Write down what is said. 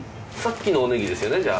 さっきのおネギですよね。